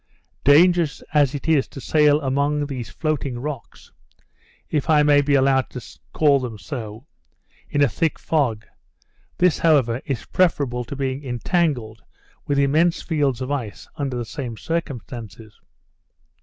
Dangerous as it is to sail among these floating rocks (if I may be allowed to call them so) in a thick fog, this, however, is preferable to being entangled with immense fields of ice under the same circumstances.